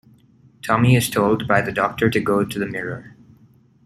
Tommy is told by the Doctor to Go to the Mirror!